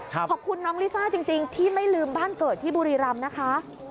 ขอบคุณน้องลิซ่าจริงที่ไม่ลืมบ้านเกิดที่บุรีรำนะคะ